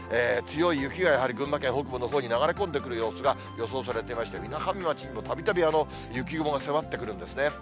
強い雪がやはり、群馬県北部のほうに流れ込んでくる様子が予想されていまして、みなかみ町って、たびたび雪雲が迫ってくるんですね。